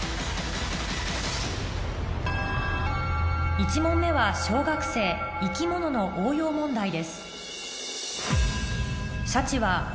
１問目は小学生生き物の応用問題です